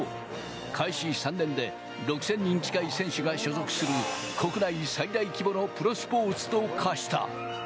開始３年で６０００人近い選手が所属する国内最大規模のプロスポーツと化した。